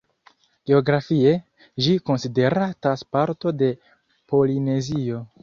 Geografie, ĝi konsideratas parto de Polinezio.